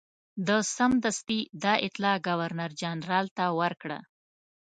ده سمدستي دا اطلاع ګورنرجنرال ته ورکړه.